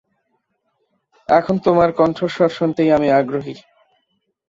এখন তোমার কন্ঠস্বর শুনতেই আমি আগ্রহী।